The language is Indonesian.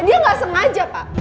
dia gak sengaja pak